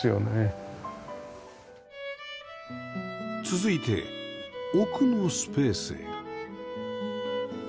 続いて奥のスペースへ